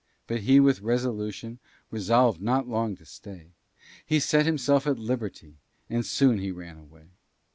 But he with resolution Resolv'd not long to stay; He set himself at liberty, And soon he ran away.